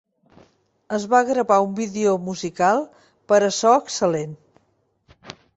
Es va gravar un vídeo musical per a "So Excellent".